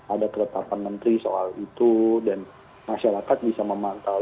ada keretapan menteri soal itu dan masyarakat bisa memantau